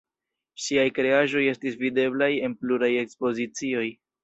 Ŝiaj kreaĵoj estis videblaj en pluraj ekspozicioj.